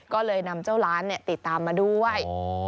ก็เลยนำเจ้าล้านติดตามมาด้วย